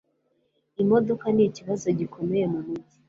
Imodoka nikibazo gikomeye mumijyi